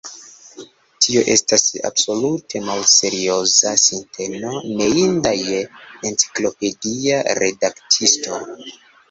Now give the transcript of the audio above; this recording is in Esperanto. Tio estas absolute malserioza sinteno, neinda je enciklopedia redaktisto.